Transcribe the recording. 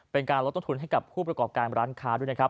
เป็นการลดต้นทุนให้กับผู้ประกอบการร้านค้าด้วยนะครับ